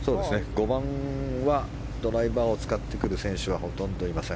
５番はドライバーを使ってくる選手はほとんどいません。